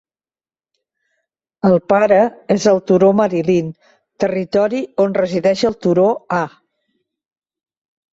El pare és el turó Marilyn, territori on resideix el turó A.